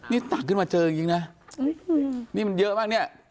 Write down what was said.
นี่ตักขึ้นมาเจออย่างนี้นะนี่มันเยอะมากเนี่ย